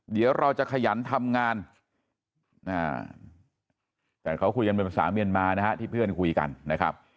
เดี๋ยวเราจะขยันทำงานแต่เขาคุยกันเป็นภาษาเมียนมานะฮะที่เพื่อนคุยกันนะครับ